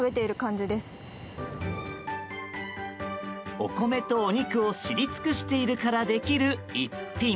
お米とお肉を知りつくているからできる一品。